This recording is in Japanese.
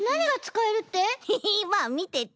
ヘヘまあみてて。